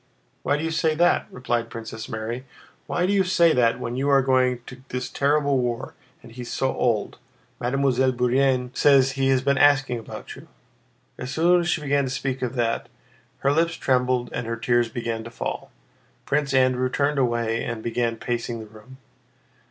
"Why do you say that?" replied Princess Mary. "Why do you say that, when you are going to this terrible war, and he is so old? Mademoiselle Bourienne says he has been asking about you...." As soon as she began to speak of that, her lips trembled and her tears began to fall. Prince Andrew turned away and began pacing the room.